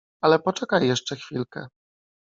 Ale poczekaj jeszcze chwilkę.